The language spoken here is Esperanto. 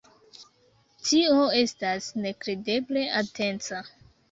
Tio estas nekredeble atenca.